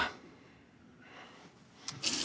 えっ？